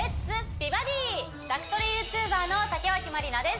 美バディ」宅トレＹｏｕＴｕｂｅｒの竹脇まりなです